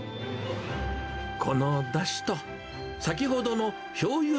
このだしと、先ほどのしょうゆ